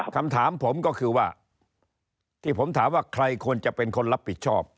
คำถามผมก็คือว่าที่ผมถามว่าใครควรจะเป็นคนรับผิดชอบ